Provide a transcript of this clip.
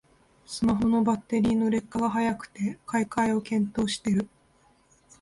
スマホのバッテリーの劣化が早くて買い替えを検討してる